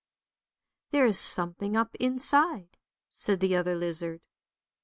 "" There is something up inside," said the other lizard.